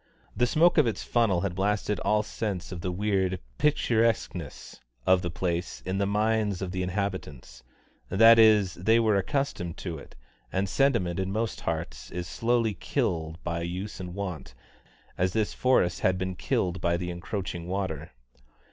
The smoke of its funnel had blasted all sense of the weird picturesqueness of the place in the minds of the inhabitants, that is, they were accustomed to it, and sentiment in most hearts is slowly killed by use and wont, as this forest had been killed by the encroaching water.